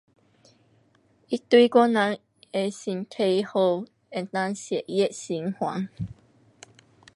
它对我人的身体好，能够血液循环。